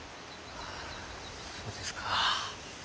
ああそうですか。